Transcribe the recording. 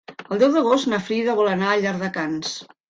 El deu d'agost na Frida vol anar a Llardecans.